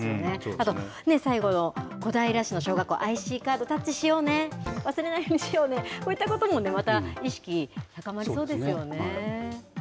あと最後の小平市の小学校、ＩＣカードタッチしようね、忘れないようにしようねって、こういったことでもね、また意識高まりそうですよね。